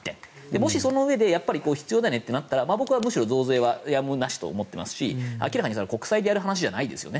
もし、そのうえで必要ないねとなったら僕は増税はなしと思っていますし明らかに国債でやる話じゃないですよね。